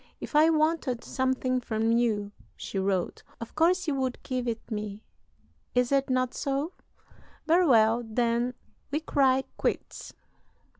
"If I wanted something from you," she wrote, "of course you would give it me is it not so? Very well, then, we cry quits.